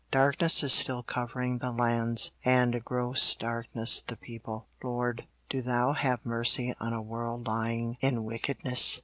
Darkness is still covering the lands, and gross darkness the people. Lord, do Thou have mercy on a world lying in wickedness.